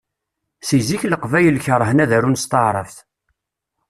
Seg zik Leqbayel kerhen ad arun s taɛrabt.